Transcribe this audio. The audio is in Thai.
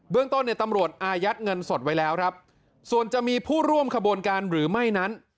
ต้นเนี่ยตำรวจอายัดเงินสดไว้แล้วครับส่วนจะมีผู้ร่วมขบวนการหรือไม่นั้น